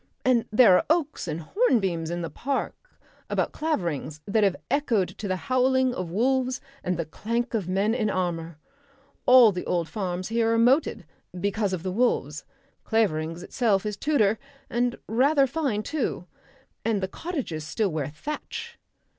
And there are oaks and hornbeams in the park about Claverings that have echoed to the howling of wolves and the clank of men in armour. All the old farms here are moated because of the wolves. Claverings itself is Tudor, and rather fine too. And the cottages still wear thatch...."